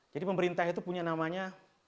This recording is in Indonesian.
jadi pemerintah itu punya namanya